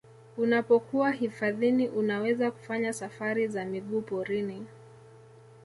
Unapokuwa hifadhini unaweza kufanya safari za miguu porini